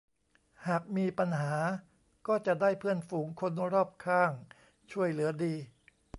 หากมีปัญหาก็จะได้เพื่อนฝูงคนรอบข้างช่วยเหลือดี